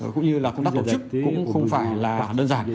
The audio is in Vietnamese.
cũng như là công tác tổ chức cũng không phải là đơn giản